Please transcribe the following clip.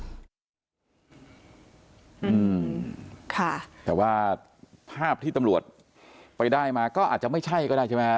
อืมค่ะแต่ว่าภาพที่ตำรวจไปได้มาก็อาจจะไม่ใช่ก็ได้ใช่ไหมฮะ